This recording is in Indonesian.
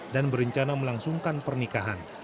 dan berencana melangsungkan pernikahan